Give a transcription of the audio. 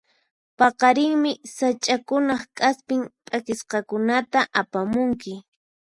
Paqarinmi sach'akunaq k'aspin p'akisqakunata apamunki.